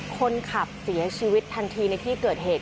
คนขับเสียชีวิตทันทีในที่เกิดเหตุ